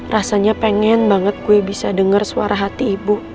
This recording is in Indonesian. rasanya pengen banget gue bisa dengar suara hati ibu